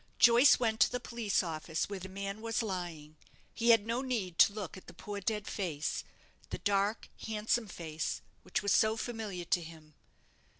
Joyce went to the police office where the man was lying. He had no need to look at the poor dead face the dark, handsome face, which was so familiar to him.